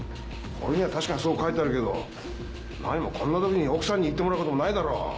これには確かにそう書いてあるけど何もこんな時に奥さんに行ってもらうこともないだろ？